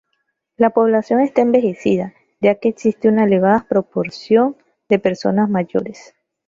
La población está envejecida, ya que existe una elevada proporción de personas mayores.